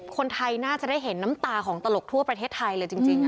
คนไทยน่าจะได้เห็นน้ำตาของตลกทั่วประเทศไทยเลยจริง